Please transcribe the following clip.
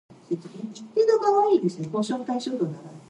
It was then allocated train no.